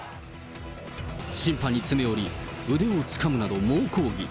審判に詰め寄り、腕をつかむなど猛抗議。